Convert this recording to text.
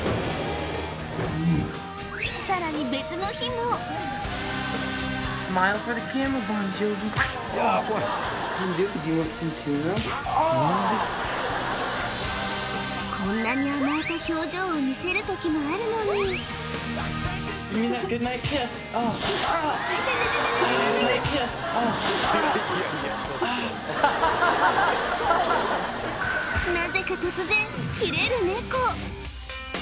さらに別の日もこんなに甘えた表情を見せる時もあるのになぜか突然キレるネコ